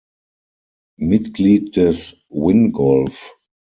Mitglied des Wingolf.